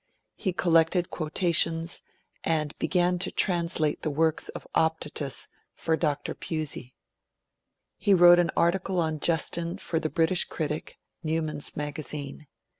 He collected quotations, and began to translate the works of Optatus for Dr. Pusey. He wrote an article on Justin for the British Critic, "Newman's Magazine".